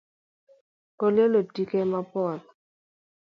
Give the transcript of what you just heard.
Olielo tike mapoth